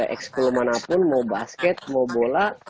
expo manapun mau basket mau bola